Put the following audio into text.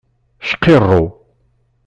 Cqirru.